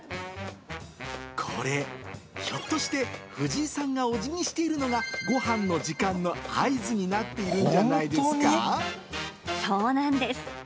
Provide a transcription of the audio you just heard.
これ、ひょっとして、藤井さんがお辞儀しているのが、ごはんの時間の合図になっているんじゃそうなんです。